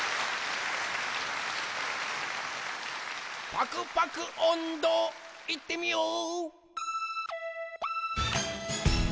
パクパクおんど、いってみよう！